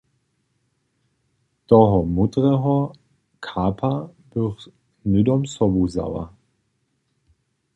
Toho módreho karpa bych hnydom zaso wzała.